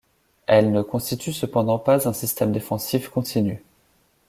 Elles ne constituent cependant pas un système défensif continu.